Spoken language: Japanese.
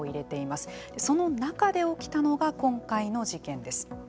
その中で起きたのが今回の事件です。